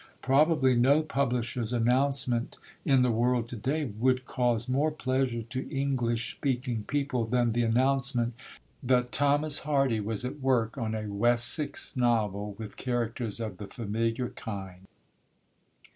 Probably no publisher's announcement in the world to day would cause more pleasure to English speaking people than the announcement that Thomas Hardy was at work on a Wessex novel with characters of the familiar kind.